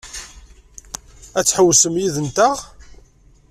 Ad tḥewwsem yid-nteɣ?